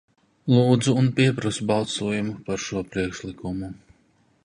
Lūdzu un pieprasu balsojumu par šo priekšlikumu.